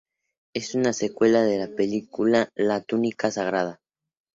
Es una secuela de la película La túnica sagrada.